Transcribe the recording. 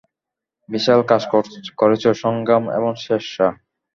বিশাল কাজ করেছ, সংগ্রাম এবং শেরশাহ।